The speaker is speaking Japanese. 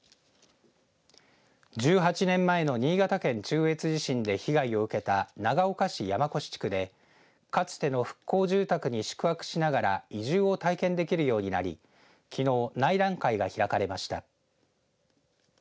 １８年前の新潟県中越地震で被害を受けた長岡市山古志地区でかつての復興住宅に宿泊しながら移住を体験できるようになりきのう内覧会が開かれました。